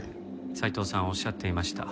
斉藤さんおっしゃっていました。